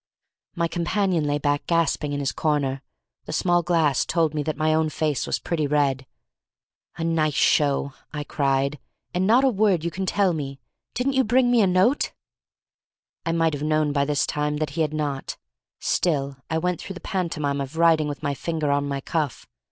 My companion lay back gasping in his corner. The small glass told me that my own face was pretty red. "A nice show!" I cried; "and not a word can you tell me. Didn't you bring me a note?" I might have known by this time that he had not, still I went through the pantomime of writing with my finger on my cuff.